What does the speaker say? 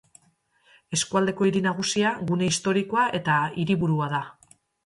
Eskualdeko hiri nagusia, gune historikoa eta hiriburua da.